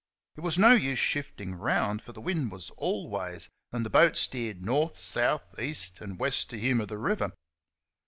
It was no use shifting round, for the wind was all ways, and the boat steered north, south, east, and west to humour the river.